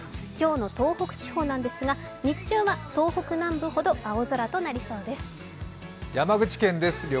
今日の東北地方ですが、日中は東北南部ほど青空となりそうです。